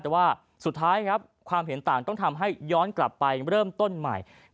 แต่ว่าสุดท้ายครับความเห็นต่างต้องทำให้ย้อนกลับไปเริ่มต้นใหม่